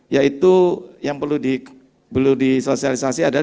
yaitu yang perlu disosialisasi adalah